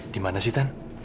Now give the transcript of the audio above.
di mana sih tante